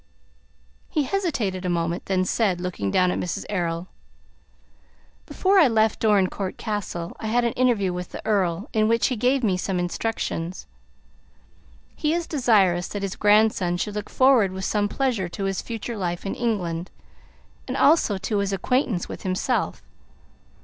He hesitated a moment, and then said, looking down at Mrs. Errol: "Before I left Dorincourt Castle, I had an interview with the Earl, in which he gave me some instructions. He is desirous that his grandson should look forward with some pleasure to his future life in England, and also to his acquaintance with himself.